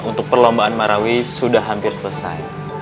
untuk perlombaan marawi sudah hampir selesai